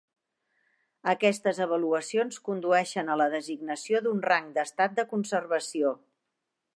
Aquestes avaluacions condueixen a la designació d'un rang d'estat de conservació.